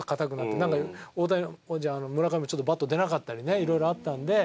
なんか村上ちょっとバット出なかったりねいろいろあったんで。